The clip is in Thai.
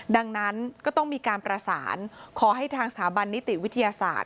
ดังนั้นก็ต้องมีการประสานขอให้ทางสถาบันนิติวิทยาศาสตร์